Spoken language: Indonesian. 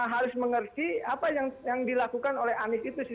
harus mengerti apa yang dilakukan oleh anis itu